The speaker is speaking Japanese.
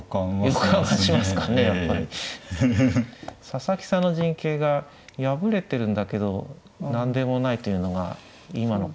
佐々木さんの陣形が破れてるんだけど何でもないというのが今の感覚なんですね。